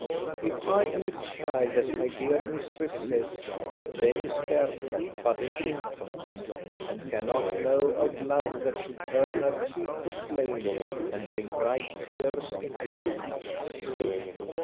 If I am a child, as my dear mistress says, then is Bertha but an infant, and cannot know of love that should turn her cheek to flame and bring bright tears into her eyes.